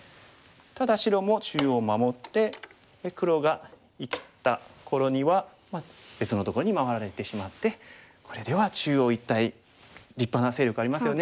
ただ白も中央守って黒が生きた頃にはまあ別のところに回られてしまってこれでは中央一帯立派な勢力ありますよね。